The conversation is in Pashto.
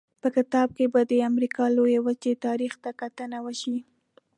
په کتاب کې به د امریکا لویې وچې تاریخ ته کتنه وشي.